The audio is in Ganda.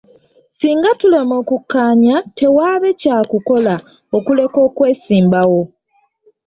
Singa tulema okukkaanya, tewaabe kyakukola okuleka okwesimbawo.